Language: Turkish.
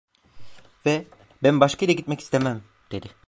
Ve "ben başka yere gitmek istemem" dedi.